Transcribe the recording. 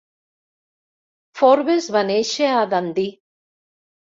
Forbes va néixer a Dundee.